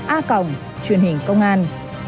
a cộng truyền hình công an